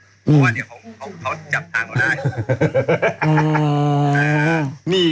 เพราะว่าเนี้ยเค้าจับทางต่อได้